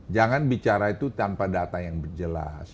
jangan bicara itu tanpa data yang jelas